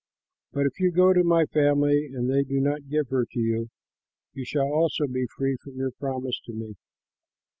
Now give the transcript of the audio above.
But if you go to my family and they do not give her to you, you shall also be free from your promise to me.'